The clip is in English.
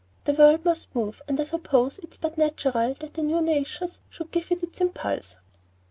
The world must move, and I suppose it's but natural that the new nations should give it its impulse."